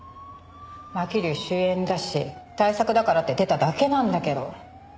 まきりゅう主演だし大作だからって出ただけなんだけど。